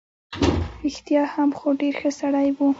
رښتیا هم، خو ډېر ښه سړی وو.